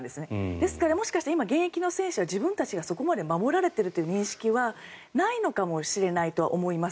ですからもしかしたら今現役の選手たちは自分たちが守られているという認識はないのかもしれないとは思います。